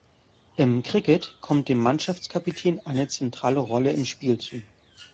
Im Cricket kommt dem Mannschaftskapitän eine zentrale Rolle im Spiel zu.